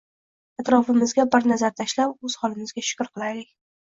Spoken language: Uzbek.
Atrofimizga bir nazar tashlab, o`z holimizga shukr qilaylik